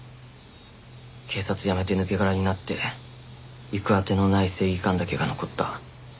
警察辞めて抜け殻になって行く当てのない正義感だけが残った。